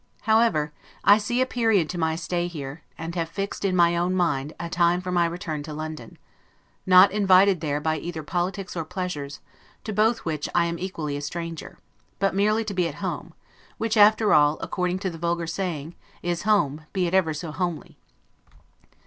However, I see a period to my stay here; and I have fixed, in my own mind, a time for my return to London; not invited there by either politics or pleasures, to both which I am equally a stranger, but merely to be at home; which, after all, according to the vulgar saying, is home, be it ever so homely.